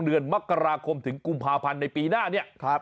เดือนมกราคมถึงกุมภาพันธ์ในปีหน้าเนี่ย